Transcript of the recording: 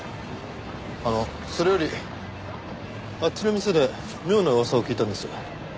あのそれよりあっちの店で妙な噂を聞いたんです。